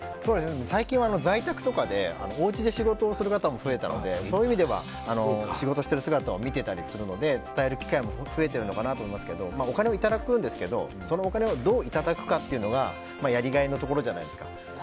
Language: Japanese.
最近は在宅とかでおうちで仕事をする方も増えたのでそういう意味では仕事している姿を見ていたりするので伝える機会も増えてるのかなとは思いますけどお金をいただくんですけどそのお金をどういただくかというのがやりがいのところじゃないですか。